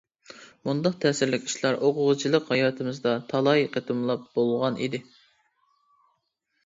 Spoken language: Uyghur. مۇنداق تەسىرلىك ئىشلار ئوقۇغۇچىلىق ھاياتىمىزدا تالاي قېتىملاپ بولغان ئىدى.